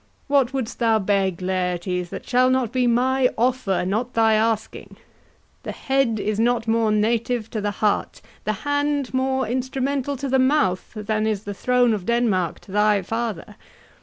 What wouldst thou beg, Laertes, That shall not be my offer, not thy asking? The head is not more native to the heart, The hand more instrumental to the mouth, Than is the throne of Denmark to thy father.